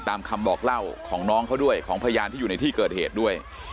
ตามคำบอกเล่าของน้องเขาด้วยของพยานที่อยู่ในที่เกิดเหตุด้วย